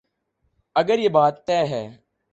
اگر یہ بات طے ہے۔